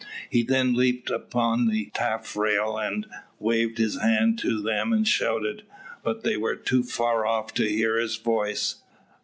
He then leaped upon the taffrail and waved his hand to them and shouted, but they were too far off to hear his voice.